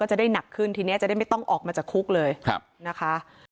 จะได้หนักขึ้นทีนี้จะได้ไม่ต้องออกมาจากคุกเลยนะคะ